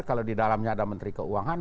kalau di dalamnya ada menteri keuangan